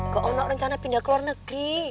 gak ada rencana pindah ke luar negeri